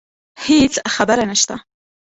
هیڅ خبره نشته